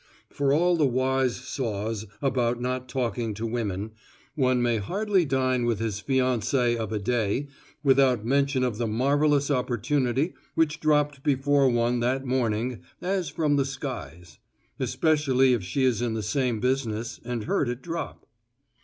For all the wise saws about not talking to women, one may hardly dine with his fiancée of a day without mention of the marvelous opportunity which dropped before one that morning as from the skies. Especially if she is in the same business and heard it drop.